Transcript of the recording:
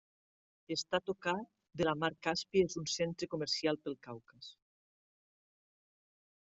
Està a tocar de la mar Càspia i és un centre comercial pel Caucas.